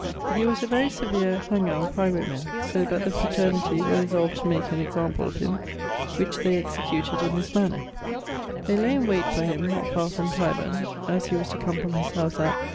He was a very severe hanger of highwaymen, so that the fraternity were resolved to make an example of him: which they executed in this manner: They lay in wayte for him not far from Tyburne, as he was to come from his house at